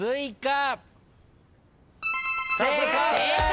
正解。